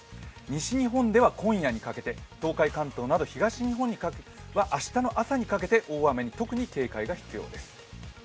西日本では今夜にかけて東海・関東など東日本は明日の朝にかけて大雨に特に警戒が必要です。